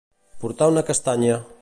Portar una castanya.